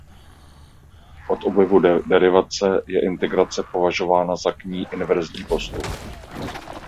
Od objevu derivace je integrace považována za k ní inverzní postup.